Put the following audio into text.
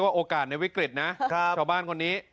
โอกาสในวิกฤตนะชาวบ้านคนนี้